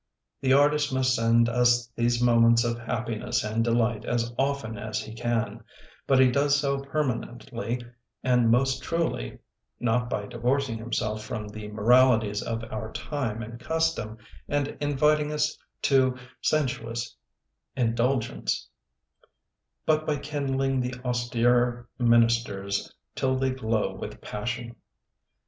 The artist must send us these moments of happi ness and delight as often as he can; but he does so permanently and most truly not by divorcing himself from the moralities of our time and custom and inviting us to sensuous indulgence, but by kindling the austerer ministers till they glow with passion.